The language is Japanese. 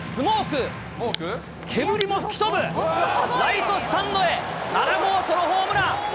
煙も吹き飛ぶ、ライトスタンドへ７号ソロホームラン。